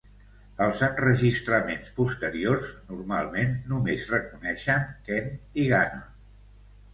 Els enregistraments posteriors normalment només reconeixen Kent i Gannon.